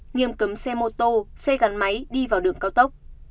nghiêm cấm xe mô tô xe gắn máy đi vào đường cao tốc